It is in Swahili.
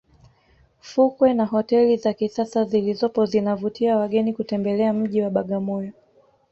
fukwe na hoteli za kisasa zilizopo zinavutia wageni kutembelea mji wa bagamoyo